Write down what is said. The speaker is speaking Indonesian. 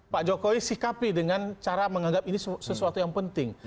pak jokowi sikapi dengan cara menganggap ini sesuatu yang penting